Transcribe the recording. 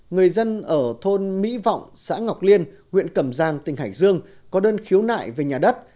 người dân ở thôn mỹ vọng xã ngọc liên huyện cẩm giang tỉnh hải dương có đơn khiếu nại về nhà đất